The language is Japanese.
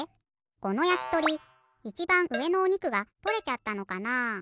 このやきとりいちばんうえのおにくがとれちゃったのかな？